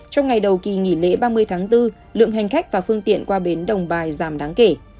trong ngày đầu kỳ nghỉ lễ ba mươi tháng bốn lượng hành khách và phương tiện qua bến đồng bài giảm đáng kể